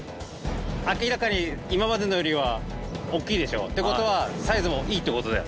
明らかに今までのよりはおっきいでしょ？ってことはサイズもいいってことだよ。